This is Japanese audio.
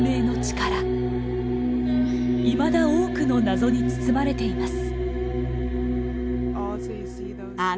いまだ多くの謎に包まれています。